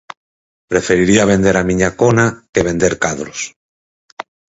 Preferiría vender a miña cona que vender cadros.